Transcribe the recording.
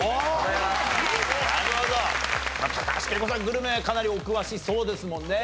グルメはかなりお詳しそうですもんね。